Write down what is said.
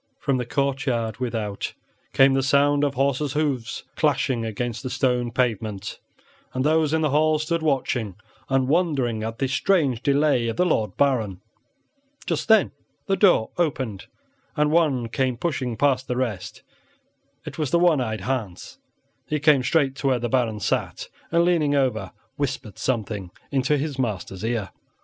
From the courtyard without came the sound of horses' hoofs clashing against the stone pavement, and those in the hall stood watching and wondering at this strange delay of the Lord Baron. Just then the door opened and one came pushing past the rest; it was the one eyed Hans. He came straight to where the Baron sat, and, leaning over, whispered something into his master's ear.